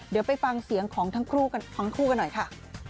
เดี๋ยวไปฟังเสียงของทั้งคู่กันหน่อยค่ะ